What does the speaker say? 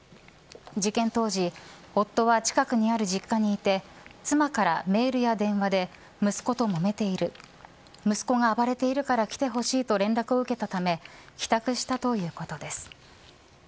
事件当時夫は近くにある実家にいて妻から、メールや電話で息子ともめている息子が暴れているから来てほしいと連絡を受けたため帰宅したということです。